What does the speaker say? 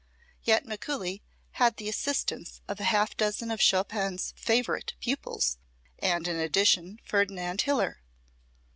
Yet Mikuli had the assistance of a half dozen of Chopin's "favorite" pupils, and, in addition, Ferdinand Hiller.